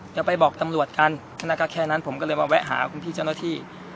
จะไปบอกตำรวจกันแค่นั้นผมก็เลยมาแวะหาคุณพี่เจ้าหน้าที่